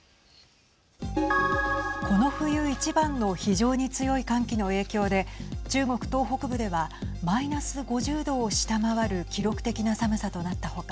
この冬一番の非常に強い寒気の影響で中国東北部ではマイナス５０度を下回る記録的な寒さとなった他